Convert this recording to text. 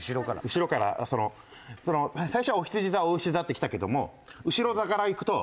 後ろからその最初はおひつじ座おうし座ってきたけどもうしろ座からいくと。